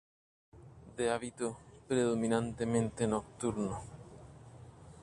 De hábito predominantemente nocturno.